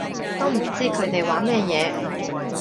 都唔知佢哋玩乜嘢